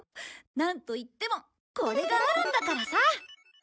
なんといってもこれがあるんだからさ。